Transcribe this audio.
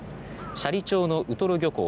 斜里町のウトロ漁港